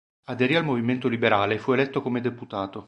Aderì al movimento liberale e fu eletto deputato.